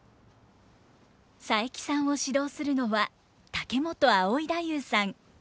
佐伯さんを指導するのは竹本葵太夫さん。